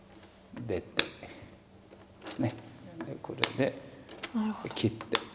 これで切って。